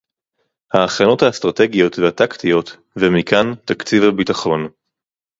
ההכנות האסטרטגיות והטקטיות, ומכאן תקציב הביטחון